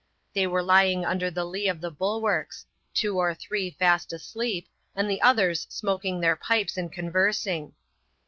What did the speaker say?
They were lying under the lee <^ the bulwarks; two or three fast asleep, and the others smoking their pipes and conversing.